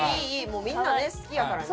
もうみんなね好きやからね。